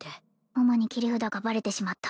桃に切り札がバレてしまった